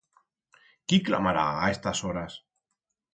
Quí clamará a estas horas?